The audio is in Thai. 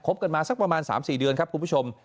กันมาสักประมาณ๓๔เดือนครับคุณผู้ชม